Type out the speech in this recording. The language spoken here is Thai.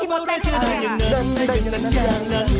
ไม่ชอบอะไรจะได้อย่างนั้นได้อย่างนั้นอย่างนั้น